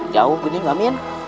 jauh benar amin